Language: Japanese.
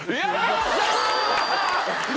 よっしゃ！